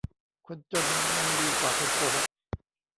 คนจนยังดีกว่าคนโกหก